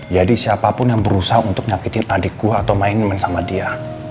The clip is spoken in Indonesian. jadi siapapun yang berusaha untuk nyakitin adik gue atau main main sama dia